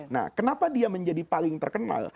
nah kenapa dia menjadi paling terkenal